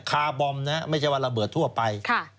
คาร์บอมนะไม่ใช่ว่าระเบิดทั่วไป